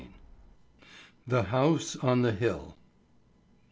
VIII. THE HOUSE ON THE HILL.